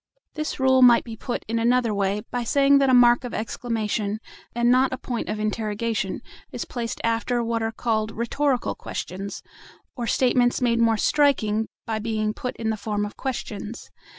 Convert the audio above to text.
This rule might be put in another way by saying that a mark of exclamation, and not a point of interrogation, is placed after what are called rhetorical questions, or statements made more striking by being put in the form of questions.